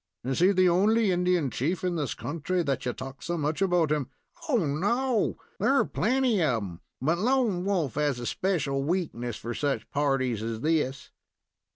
"Is he the only Indian chief in this country, that ye talk so much about him?" "Oh, no! there are plenty of 'em, but Lone Wolf has a special weakness for such parties as this."